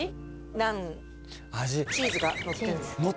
ナンチーズがのってるの？